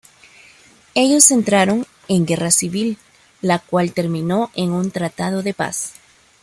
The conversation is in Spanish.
Ellos entraron en guerra civil, la cual terminó en un tratado de paz.